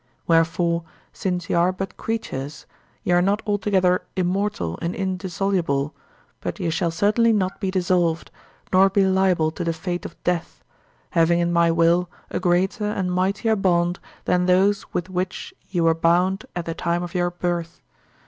Wherefore, since ye are but creatures, ye are not altogether immortal and indissoluble, but ye shall certainly not be dissolved, nor be liable to the fate of death, having in my will a greater and mightier bond than those with which ye were bound at the time of your birth.